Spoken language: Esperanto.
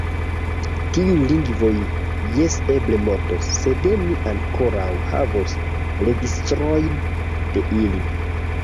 Tiuj lingvoj, jes, eble mortos, sed ni ankoraŭ havos registrojn de ili.